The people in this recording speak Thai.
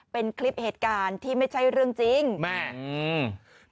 เป็นคลิปเหตุการณ์ที่ไม่ใช่เรื่องจริงแม่อืม